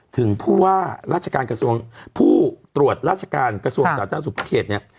ถึงผู้ว่าราชการกระทรวงผู้ตรวจราชการกระทรวงสาธารณสุขทุกเขตเนี่ย